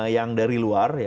yang dari luar